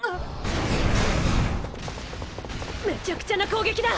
めっちゃくちゃな攻撃だ！！